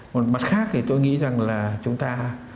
một mặt khác thì tôi nghĩ rằng là chúng ta